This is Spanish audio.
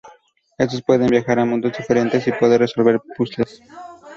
Estos pueden viajar a mundos diferentes y poder resolver puzles.